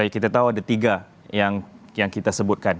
kita tahu ada tiga yang kita sebutkan